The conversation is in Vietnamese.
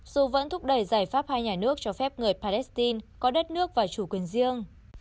dù vẫn thúc đẩy giải pháp hai nhà nước cho phép người palestine có đất nước và chủ quyền riêng